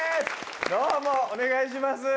どうもお願いします。